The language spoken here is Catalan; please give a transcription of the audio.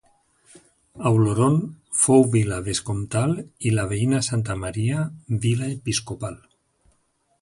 Auloron fou vila vescomtal i la veïna Santa Maria vila episcopal.